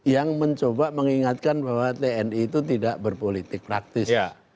yang mencoba mengingatkan bahwa tni itu tidak berpolitik praktis